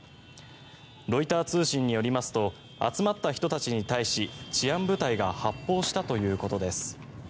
ロイター通信によりますと集まった人たちに対し治安部隊が発砲したということです。